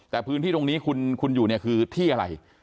แต่พื้นที่ตรงนี้คุณอยู่เนี่ยคือที่อะไร